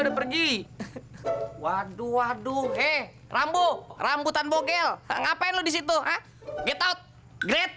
udah pergi waduh waduh eh rambu rambutan bokel ngapain lo disitu hah get out great